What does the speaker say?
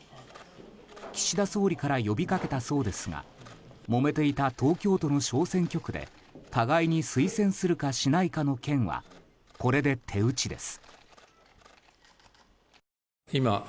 岸田総理から呼びかけたそうですがもめていた東京都の小選挙区で互いに推薦するかしないかの件はこれで手打ちです。